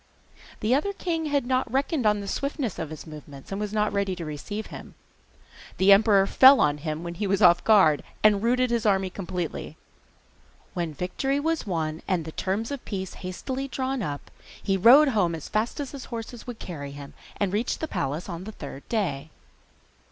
The other king had not reckoned on the swiftness of his movements, and was not ready to receive him. The emperor fell on him when he was off his guard, and routed his army completely. Then when victory was won, and the terms of peace hastily drawn up, he rode home as fast as his horse would carry him, and reached the palace on the third day.